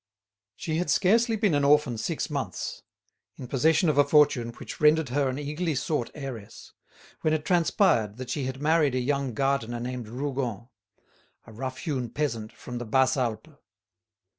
She had scarcely been an orphan six months, in possession of a fortune which rendered her an eagerly sought heiress, when it transpired that she had married a young gardener named Rougon, a rough hewn peasant from the Basses Alpes.